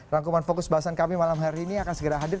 rangkuman fokus bahasan kami malam hari ini akan segera hadir